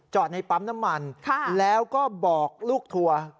ในปั๊มน้ำมันแล้วก็บอกลูกทัวร์